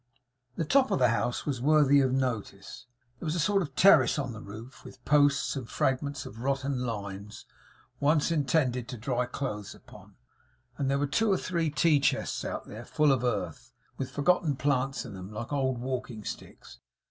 The top of the house was worthy of notice. There was a sort of terrace on the roof, with posts and fragments of rotten lines, once intended to dry clothes upon; and there were two or three tea chests out there, full of earth, with forgotten plants in them, like old walking sticks.